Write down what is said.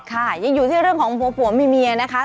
ค่ะยังอยู่ที่เรื่องของผัวผัวเมียนะคะ